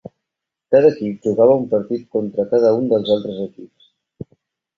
Cada equip jugava un partit contra cada un dels altres equips.